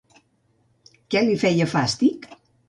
Què li feia fàstic?